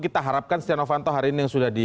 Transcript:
kita harapkan istiano panto hari ini yang sudah di